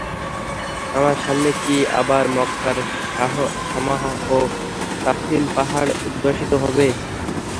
আমার সামনে কি আবার মক্কার শামাহ ও তাফীল পাহাড় উদ্ভাসিত হবে।